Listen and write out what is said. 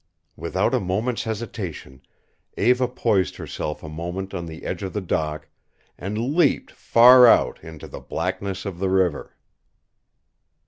Without a moment's hesitation Eva poised herself a moment on the edge of the dock and leaped far out into the blackness of the river.